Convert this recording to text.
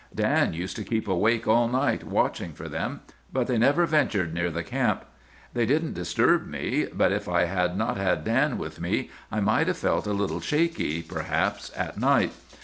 "'Dan used to keep awake all night, watching for them. But they never ventured near the camp. They didn't disturb me; but if I had not had Dan with me I might have felt a little shaky, perhaps, at night.